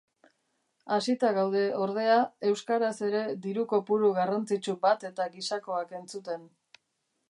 Hasita gaude, ordea, euskaraz ere diru--kopuru garrantzitsu bat eta gisakoak entzuten.